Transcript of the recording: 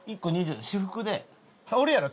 私服でおるやろ？